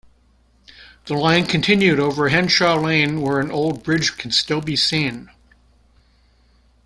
The line continued over Henshaw Lane where an old bridge can still be seen.